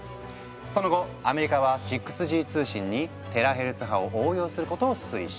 その後アメリカは６Ｇ通信にテラヘルツ波を応用することを推進。